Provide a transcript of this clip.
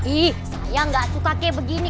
ih saya nggak suka kayak begini